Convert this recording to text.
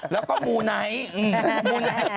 แล้วก็มูไนท์